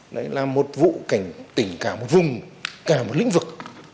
đấy là một vụ cảnh tỉnh cả một vùng cả một lĩnh vực